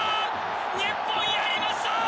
日本やりました。